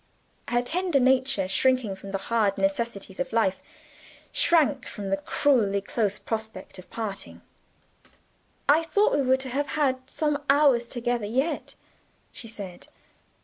Her tender nature, shrinking from the hard necessities of life, shrank from the cruelly close prospect of parting. "I thought we were to have had some hours together yet," she said.